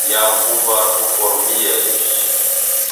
Yam uvar offor mbiyez.